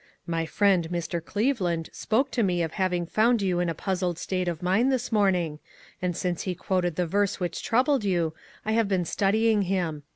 " My friend, Mr. Cleveland, spoke to me of having found you in a puzzled state of mind this morning, and since he quoted the verse which troubled you, I have been studying him.